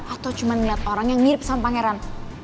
atau cuma melihat orang yang mirip sama pangeran